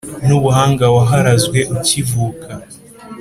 N'Ubuhanga waharazwe ukivuka